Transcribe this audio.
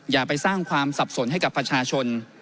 อย่าไปสร้างความสับสนให้กับประชาชน